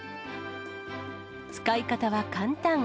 使い方は簡単。